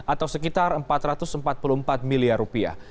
atau sekitar empat ratus empat puluh empat miliar rupiah